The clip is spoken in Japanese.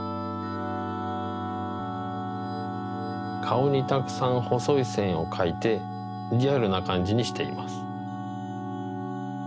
かおにたくさんほそいせんをかいてリアルなかんじにしています。